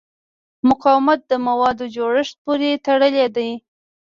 مقاومت د موادو جوړښت پورې تړلی دی.